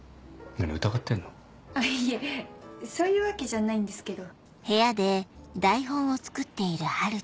あっいえそういうわけじゃないんですけど。